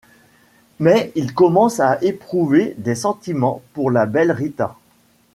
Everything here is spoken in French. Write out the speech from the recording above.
Mais il commence à éprouver des sentiments pour la belle Rita...